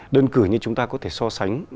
đơn cử như chúng ta có thể so sánh